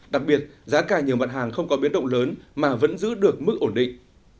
đặc biệt giá cà nhiều mặt hàng không có biến động lớn mà vẫn giữ được mức ổn định